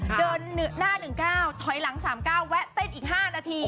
ค่ะเดินหน้าหนึ่งเก้าถอยหลัง๓เก้าแวะเต้นอีก๕นาที